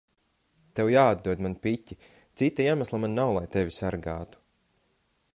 Tev jāatdod man piķi. Cita iemesla man nav, lai tevi sargātu.